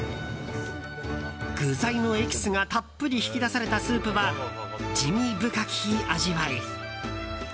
具材のエキスがたっぷり引き出されたスープは滋味深き味わい。